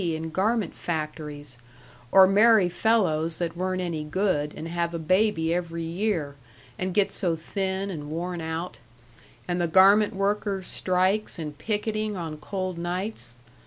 in garment factories, or marry fellows that weren't any good and have a baby every year, and get so thin and worn out; and the garment workers' strikes and picketing on cold nights.